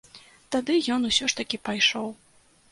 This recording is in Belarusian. Тады ён усё ж такі пайшоў.